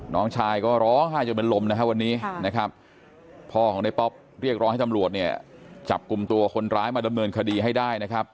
น้องชายก็ร้อหายจนแบนลมนะครับวันนี้นะครับพ่อของได้ต้อง